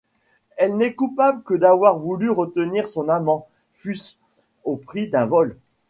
Elle n'est coupable que d'avoir voulu retenir son amant, fût-ce au prix d'un vol.